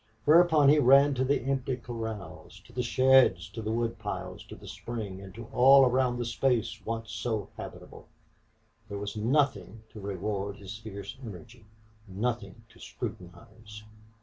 Whereupon he ran to the empty corrals, to the sheds, to the wood pile, to the spring, and all around the space once so habitable. There was nothing to reward his fierce energy nothing to scrutinize.